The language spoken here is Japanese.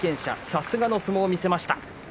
さすがの相撲を見せました。